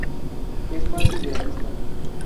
Es más idealista.